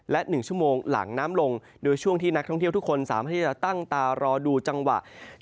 และ๑ชั่วโมงหลังน้ำลงโดยช่วงที่นักท่องเที่ยวทุกคนสามารถที่จะตั้งตารอดูจังหวะ